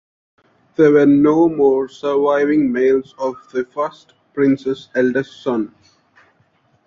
There were no more surviving males of the first prince's eldest son.